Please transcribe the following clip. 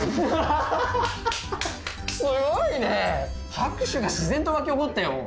拍手が自然と湧き起こったよ。